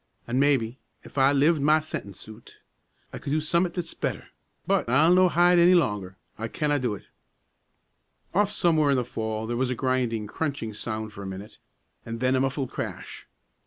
An' maybe, if I lived ma sentence oot, I could do some'at that's better. But I'll no' hide any longer; I canna do it!" Off somewhere in the fall there was a grinding, crunching sound for a minute, and then a muffled crash.